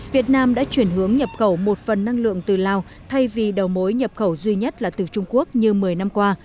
việt nam đã chuyển hướng nhập khẩu một phần năng lượng từ lào thay vì đầu mối nhập khẩu duy nhất là từ trung quốc như một mươi năm qua